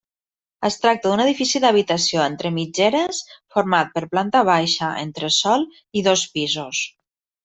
Es tracta d'un edifici d'habitació entre mitgeres format per planta baixa, entresòl i dos pisos.